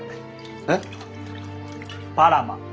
えっ？パラマ。